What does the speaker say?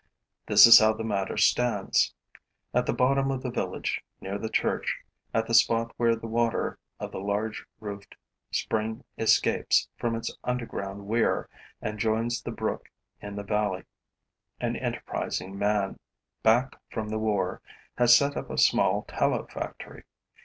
This is how the matter stands: at the bottom of the village, near the church, at the spot where the water of the large roofed spring escapes from its underground weir and joins the brook in the valley, an enterprising man, back from the war, has set up a small tallow factory.